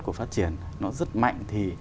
của phát triển nó rất mạnh thì